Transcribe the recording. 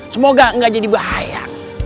semoga gak jadi bahaya